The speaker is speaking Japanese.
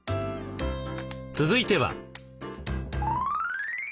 続いては。